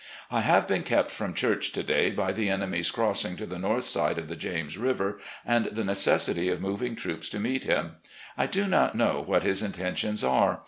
. I have been kept from church to day by the enemy's crossing to the north side of the James River and the necessity of moving troops to meet him. I do not know what his intentions are.